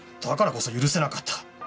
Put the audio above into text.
だからこそ許せなかった。